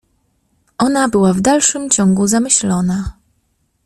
Ona była w dalszym ciągu zamyślona.